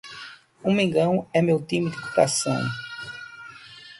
O mengão é meu time do coração